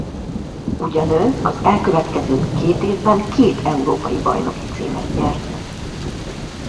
Ugyanő az elkövetkező két évben két Európa-bajnoki címet nyert.